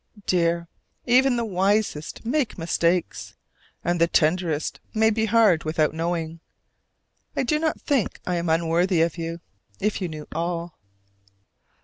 Dear, even the wisest make mistakes, and the tenderest may be hard without knowing: I do not think I am unworthy of you, if you knew all.